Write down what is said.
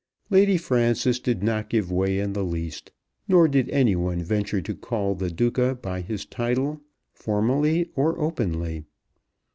Lady Frances did not give way in the least, nor did any one venture to call the Duca by his title, formally or openly.